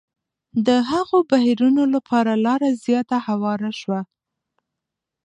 د هغو بهیرونو لپاره لاره زیاته هواره شوه.